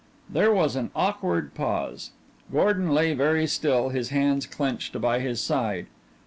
There was an awkward pause. Gordon lay very still, his hands clenched by his side.